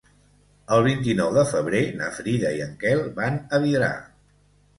El vint-i-nou de febrer na Frida i en Quel van a Vidrà.